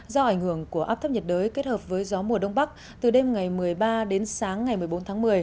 do ảnh hưởng của áp thấp nhiệt đới kết hợp với gió mùa đông bắc từ đêm ngày một mươi ba đến sáng ngày một mươi bốn tháng một mươi